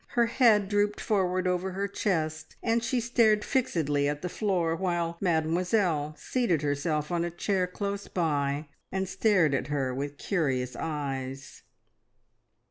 Her head drooped forward over her chest, and she stared fixedly at the floor while Mademoiselle seated herself on a chair close by and stared at her with curious eyes.